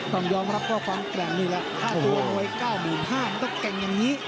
ต้องยอมรับว่าความแกร่งนี่แหละค่าตัวมวย๙๕๐๐บาทมันต้องเก่งอย่างนี้